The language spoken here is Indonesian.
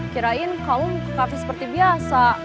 kirain kamu mau ke kafe seperti biasa